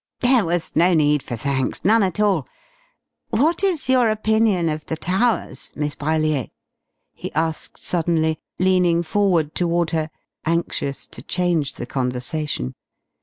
"There was no need for thanks none at all.... What is your opinion of the Towers, Miss Brellier?" he asked suddenly, leaning forward toward her, anxious to change the conversation.